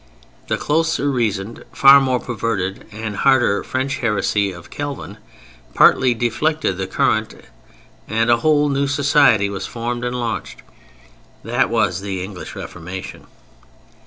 The closer reasoned, far more perverted and harder French heresy of Calvin partly deflected the current—and a whole new society was formed and launched. That was the English Reformation.